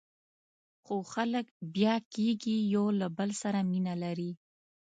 خو خلک بیا کېږي، یو له بل سره مینه لري.